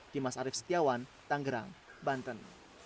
dimas arief setiawan tanggerang banten